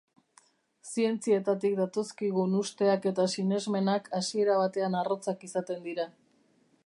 Zientzietatik datozkigun usteak eta sinesmenak hasiera batean arrotzak izaten dira.